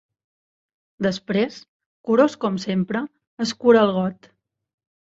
Després, curós com sempre, escura el got.